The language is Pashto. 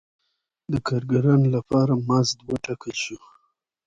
د کارګرانو لپاره مزد وټاکل شو.